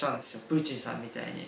プーチンさんみたいに。